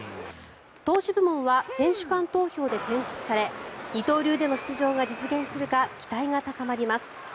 投手部門は選手間投票で選出され二刀流での出場が実現するか期待が高まります。